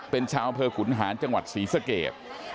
เป็นชาวเผอร์ขุนหารจังหวัดสีสะเกียร์